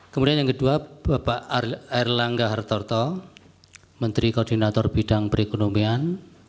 kemudian yang kedua bapak erlangga hartarto menteri koordinator bidang perekonomian